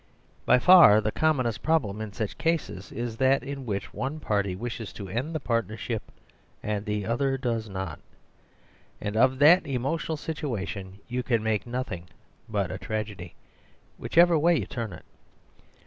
By far the commonest problem in such cases is that in which one party wishes to end the part nership and the other does not. And of that emotional situation you can make nothing but a tragedy, whichever way you turn it.